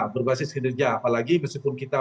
berbasis kinerja apalagi meskipun kita